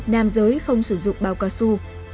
nam giới không sử dụng bao cao su